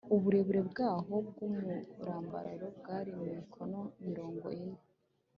uburebure bwaho bw’umurambararo bwari mikono mirongo ine